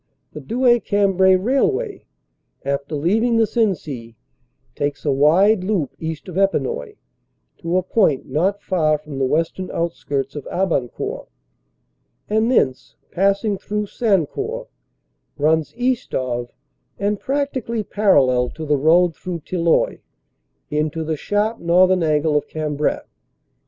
The Douai Cambrai railway, after leav ing the Sensee, takes a wide loop east of Epinoy, to a point not far from the western outskirts of Abancourt, and thence, pass ing through Sancourt, runs east of and practically parallel to the road through Tilloy into the sharp northern angle of Cam brai.